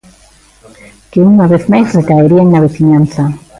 Que unha vez máis recaerían na veciñanza.